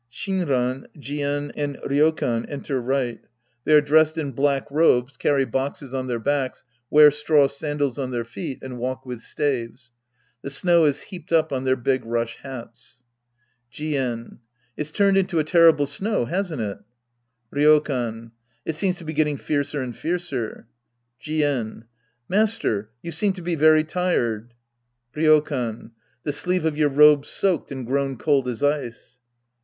Shinran, Jien and Ryokan enter rigid. They are Sc. I The Priest and His Disciples 25 dressed in black robes, carry boxes on their backs, wear straw sandals on their feet, and walk zvith staves. The snow is heaped up on their big rush hats.) Jien. It's turned into a terrible snow, hasn't it ? Ryokan. It seems to be getting fiercer and fiercer. Jien. Master. You seem to be very tired. Ryokan. The sleeve of your robe's soaked and grown cold as ice.